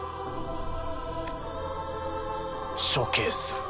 処刑する。